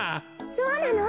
そうなの！